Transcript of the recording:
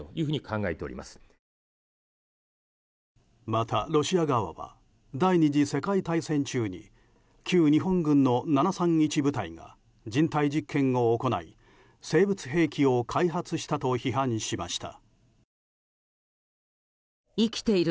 また、ロシア側は第２次世界大戦中に旧日本軍の７３１部隊が人体実験を行い生物兵器を開発したと批判しました。